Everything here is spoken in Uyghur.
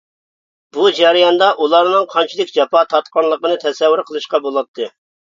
بۇ جەرياندا ئۇلارنىڭ قانچىلىك جاپا تارتقانلىقىنى تەسەۋۋۇر قىلىشقا بولاتتى.